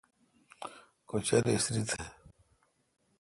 کُچَر اسری تھہ۔